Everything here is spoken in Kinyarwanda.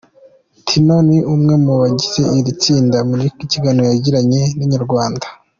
Tino ni umwe mu bagize iri tsinda, mu kiganiro yagiranye na inyarwanda.